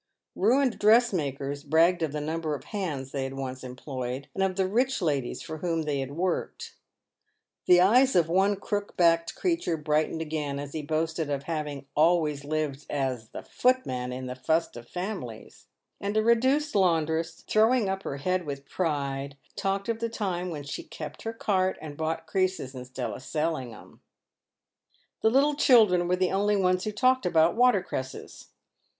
Ruined dressmakers bragged of the number of hands they had once employed, and of the rich ladies for whom they had worked. The eyes of one crook backed creature brightened again as he boasted of having " always lived as footman in the fust of families," and a reduced laundress, throwing up her head with pride, talked of the time when " she kept her cart, and bought creases 'stead of selling them." The little children were the only ones who talked about water cresses.